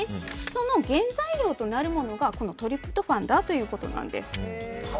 その原材料となるものがこのトリプトファンだということなんです。